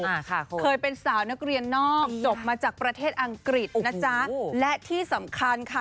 อ่าค่ะเคยเป็นสาวนักเรียนนอกจบมาจากประเทศอังกฤษนะจ๊ะและที่สำคัญค่ะ